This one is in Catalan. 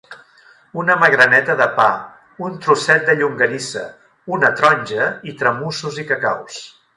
Una magraneta de pa, un trosset de llonganissa, una taronja i tramussos i cacaus.